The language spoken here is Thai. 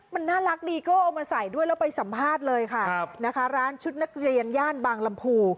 มันน่ารักดีก็เอามาใส่ด้วยแล้วไปสัมภาษณ์เลยค่ะนะคะร้านชุดนักเรียนย่านบางลำพู